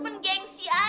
emang ada biasa ya